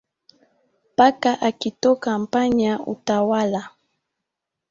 Paka akitoka panya hutawala